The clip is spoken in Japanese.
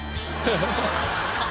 ハハハ。